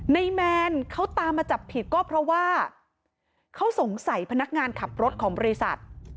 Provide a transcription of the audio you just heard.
แมนเขาตามมาจับผิดก็เพราะว่าเขาสงสัยพนักงานขับรถของบริษัท